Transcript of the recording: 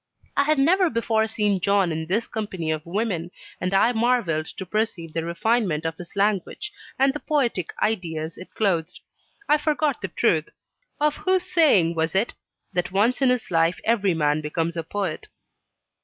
I had never before seen John in the company of women, and I marvelled to perceive the refinement of his language, and the poetic ideas it clothed. I forgot the truth of whose saying was it? "that once in his life every man becomes a poet."